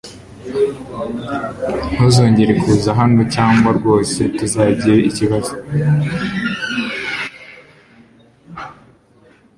Ntuzongere kuza hano cyangwa rwose tuzagira ikibazo